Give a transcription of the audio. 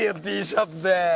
Ｔシャツで。